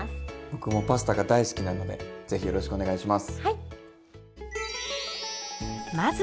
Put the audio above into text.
僕もパスタが大好きなのでぜひよろしくお願いします。